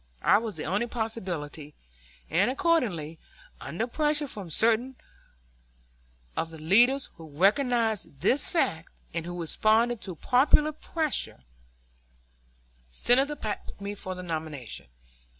I was the only possibility, and, accordingly, under pressure from certain of the leaders who recognized this fact, and who responded to popular pressure, Senator Platt picked me for the nomination.